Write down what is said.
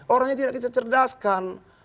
orangnya tidak bisa dicerdaskan